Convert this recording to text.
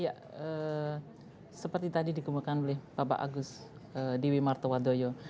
iya seperti tadi dikembangkan oleh pak agus diwi marto wadoyo